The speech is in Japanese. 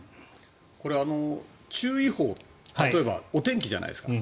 これ、注意報例えばお天気じゃないですか。